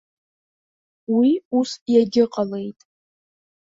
Уи ус иагьыҟалеит.